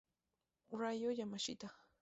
Ryo Yamashita